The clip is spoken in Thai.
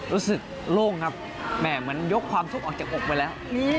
โล่งครับแม่เหมือนยกความสุขออกจากอกไปแล้ว